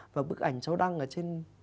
và bức ảnh cháu đăng ở trên